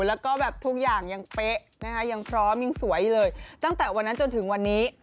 แล้วก็แบบทุกอย่างยังเป๊ะนะคะยังพร้อมยังสวยเลยตั้งแต่วันนั้นจนถึงวันนี้